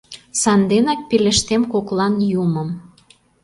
Санденак пелештем коклан юмым